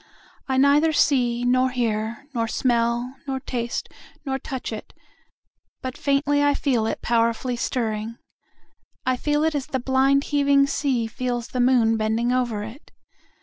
I neither see nor hear nor smell nor taste nor touch it, but faintly I feel it powerfully stirring.I feel it as the blind heaving sea feels the moon bending over it.